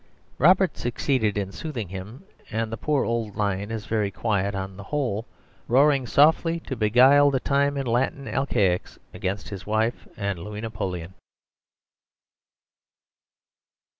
Robert succeeded in soothing him, and the poor old lion is very quiet on the whole, roaring softly to beguile the time in Latin alcaics against his wife and Louis Napoleon."